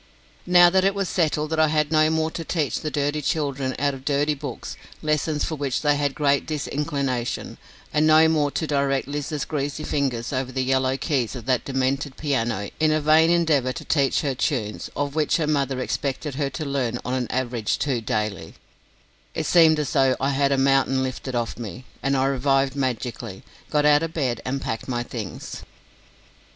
Now that it was settled that I had no more to teach the dirty children, out of dirty books, lessons for which they had great disinclination, and no more to direct Lizer's greasy fingers over the yellow keys of that demented piano in a vain endeavour to teach her "choones", of which her mother expected her to learn on an average two daily, it seemed as though I had a mountain lifted off me, and I revived magically, got out of bed and packed my things.